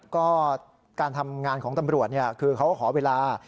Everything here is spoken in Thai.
ก็การทำงานของตำรวจคือเขาก็ขอเวลา